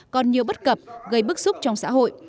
còn nhiều bất cập gây bức xúc trong xã hội